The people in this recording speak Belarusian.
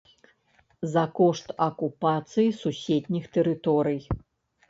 За кошт акупацыі суседніх тэрыторый.